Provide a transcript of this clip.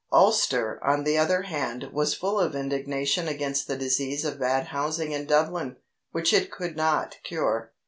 Ulster, on the other hand, was full of indignation against the disease of bad housing in Dublin, which it could not cure.